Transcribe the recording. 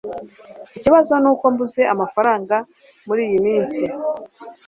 Ikibazo nuko mbuze amafaranga muriyi minsi